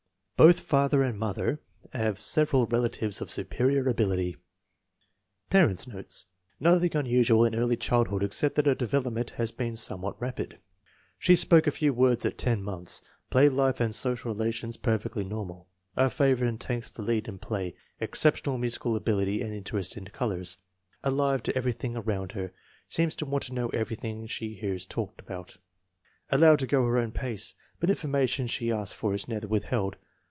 Both father and mother have several relatives of superior ability. Parents 9 notes. Nothing unusual in early child hood except that her development has been some what rapid. She spoke a few words at ten months. Play life and social relations perfectly normal. A favorite and takes the lead in play. Exceptional musical ability and interest in colors. Alive to every thing around her. Seems to want to know everything she hears talked about. Allowed to go her own pace, but information she asks for is never withheld.